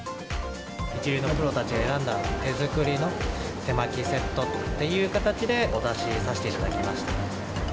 一流のプロたちが選んだ手作りの手巻きセットっていう形で、お出しさせていただきました。